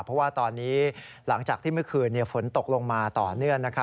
เพราะว่าตอนนี้หลังจากที่เมื่อคืนฝนตกลงมาต่อเนื่อง